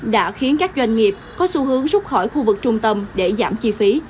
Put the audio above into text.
đã khiến các doanh nghiệp có xu hướng rút khỏi khu vực trung tâm để giảm chi phí